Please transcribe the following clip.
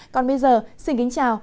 còn bây giờ xin kính chào